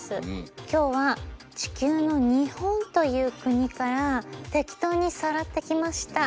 今日は地球の日本という国から適当にさらってきました。